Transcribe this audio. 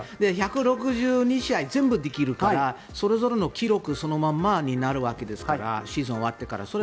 １６２試合全部できるからそれぞれの記録そのままになるわけですからシーズンが終わってから。